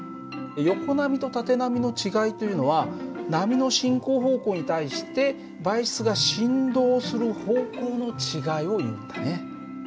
横波と縦波の違いというのは波の進行方向に対して媒質が振動する方向の違いをいうんだね。